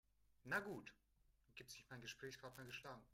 "Na gut", gab sich mein Gesprächspartner geschlagen.